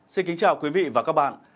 xin kính chào quý vị và các bạn